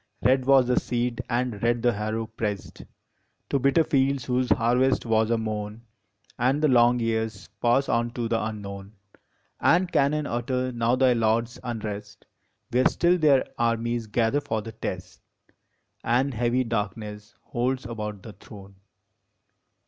Red was the seed and red the harrow pressed To bitter fields whose harvest was a moan ; And the long years pass on to the unknown, And cannon utter now thy lords unrest, Where still their armies gather for the test, And heavy darkness holds about the throne.